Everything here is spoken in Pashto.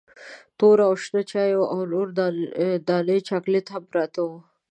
تور او شنه چایونه او څو دانې چاکلیټ هم پراته وو.